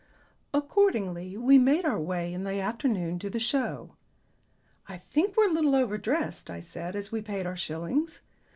Accordingly we made our way in the afternoon to the Show. "I think we're a little over dressed," I said as we paid our shillings.